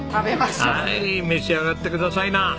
はい召し上がってくださいな！